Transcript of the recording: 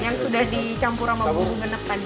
yang sudah dicampur sama bumbu genep tadi